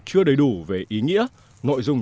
chưa đầy đủ về ý nghĩa nội dung